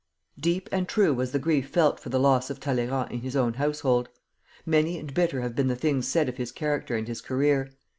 Deep and true was the grief felt for the loss of Talleyrand in his own household; many and bitter have been the things said of his character and his career.